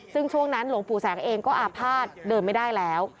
ซึ่งช่วงนั้นหลวงปู่แสงเองก็อาภาษณ์เดินไม่ได้แล้ว